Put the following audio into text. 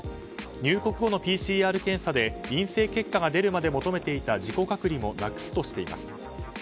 入国後のＰＣＲ検査で陰性結果が出るまで求めていた自己隔離もなくすとしています。